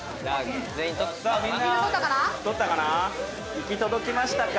「行き届きましたか？」